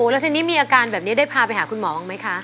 แล้วทีนี้มีอาการแบบนี้ได้พาไปหาคุณหมอบ้างไหมคะ